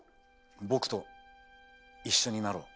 僕と一緒になろう。